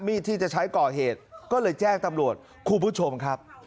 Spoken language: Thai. มีดที่จะใช้ก่อเหตุก็เลยแจ้งตำรวจคุณผู้ชมครับ